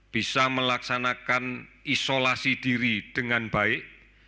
bisa melaksanakan isolasi diri dengan baik